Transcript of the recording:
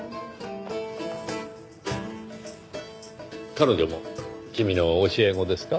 彼女も君の教え子ですか？